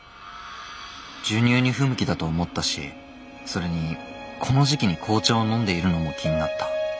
授乳に不向きだと思ったしそれにこの時期に紅茶を飲んでいるのも気になった。